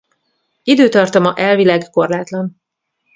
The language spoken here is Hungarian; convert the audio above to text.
Időtartama elvileg korlátlan.